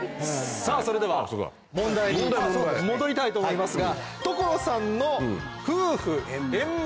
さぁそれでは問題に戻りたいと思いますが。